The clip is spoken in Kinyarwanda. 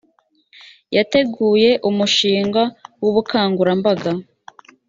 yateguye umushinga w ‘ubukangurambaga .